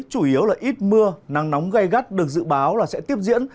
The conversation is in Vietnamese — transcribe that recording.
chủ yếu là ít mưa nắng nóng gây gắt được dự báo là sẽ tiếp diễn